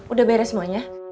udah beres prongnya